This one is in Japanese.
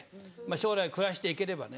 将来暮らしていければね。